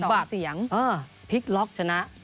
คุณสมบัติพลิกล็อกชนะ